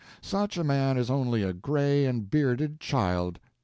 Such a man is only a gray and bearded child.